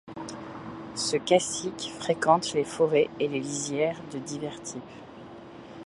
Ce cassique fréquente les forêts et les lisières de divers types.